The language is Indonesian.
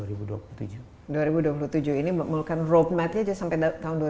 dua ribu dua puluh tujuh ini mulakan roadmapnya aja sampai tahun dua ribu dua puluh tujuh ya